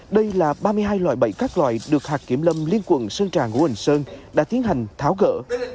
đây là ba mươi hai loại bẫy các loại được hạc kiểm lâm liên quận sơn tràng hồ hình sơn đã tiến hành tháo gỡ